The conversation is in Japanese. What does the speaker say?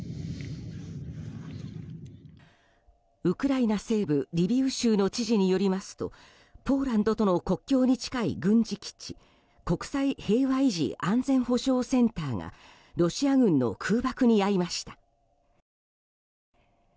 ウクライナ西部リビウ州の知事によりますとポーランドとの国境に近い軍事基地国際平和維持安全保障センターがロシア軍の空爆に遭いました。